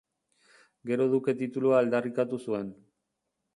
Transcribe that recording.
Gero duke titulua aldarrikatu zuen.